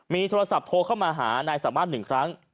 มีโทรศัพท์โทรเข้ามาหานายสามารถ๑ครั้ง